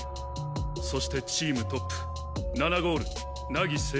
そしてチームトップ７ゴール凪誠士郎。